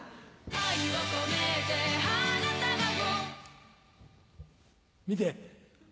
愛をこめて花束を見て！